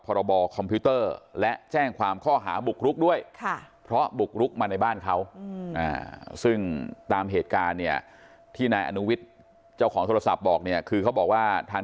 พรบคอมพิวเตอร์และแจ้งความข้อหาบุกรุกด้วยเพราะบุกรุกมาในบ้านเขาซึ่งตามเหตุการณ์เนี่ยที่นายอนุวิทย์เจ้าของโทรศัพท์บอกเนี่ยคือเขาบอกว่าทาง